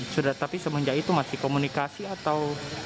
sudah tapi semenjak itu masih komunikasi atau